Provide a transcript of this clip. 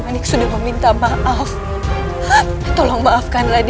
kalian tidak ada di sini saat semua itu terjadi